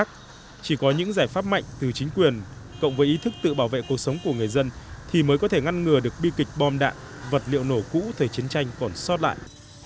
chỉ có những giải pháp mạnh từ chính quyền cộng với ý thức tự bảo vệ cuộc sống của người dân thì mới có thể ngăn ngừa được bi kịch bom đạn vật liệu nổ cũ thời chiến tranh còn xót lại